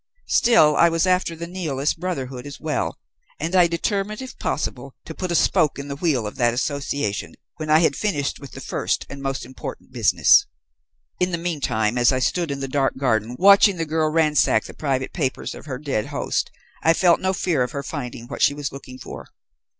Still, I was after the Nihilist brotherhood as well, and I determined if possible to put a spoke in the wheel of that association when I had finished with the first and most important business. "In the meantime, as I stood in the dark garden, watching the girl ransack the private papers of her dead host, I felt no fear of her finding what she was looking for.